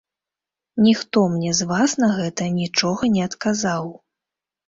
Ніхто мне з вас на гэта нічога не адказаў.